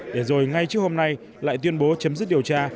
để rồi ngay trước hôm nay lại tuyên bố chấm dứt điều tra